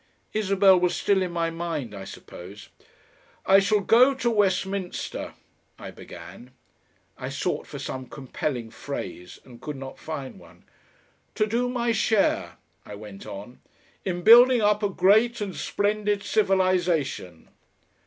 Isabel was still in my mind, I suppose. "I shall go to Westminster," I began. I sought for some compelling phrase and could not find one. "To do my share," I went on, "in building up a great and splendid civilisation."